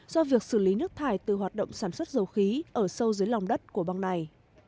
do việc xử lý nước thải từ hoạt động sản xuất dầu khí ở sâu dưới lòng đất của bang này